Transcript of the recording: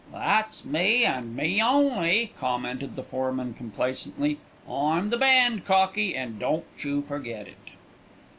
"That's me, and me only!" commented the foreman complacently. "I'm the band, cockie, and don't you forget it."